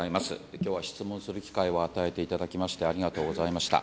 きょうは質問する機会を与えていただきまして、ありがとうございました。